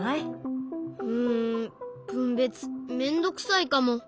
うん分別めんどくさいかも。